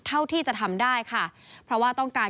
เท่าที่จะทำได้ค่ะเพราะว่าต้องการ